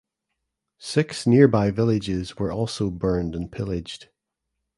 Six nearby villages were also burned and pillaged.